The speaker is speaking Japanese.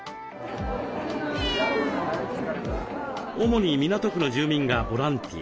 主に港区の住民がボランティア。